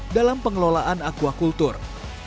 dalam pengelolaan aquaculture